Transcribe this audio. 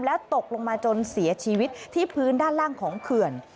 แล้วตกลงมาจนเสียชีวิตที่พื้นด้านล่างของเขื่อน